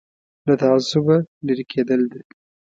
له تعصبه لرې کېدل ده.